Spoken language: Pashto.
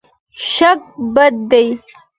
شک بد دی.